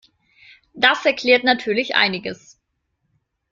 Das erklärt natürlich einiges.